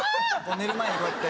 寝る前にこうやって。